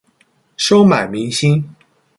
收買民心